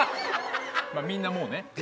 みんなもうね。